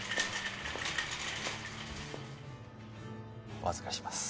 お預かりします。